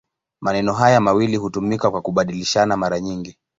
Maneno haya mawili hutumika kwa kubadilishana mara nyingi.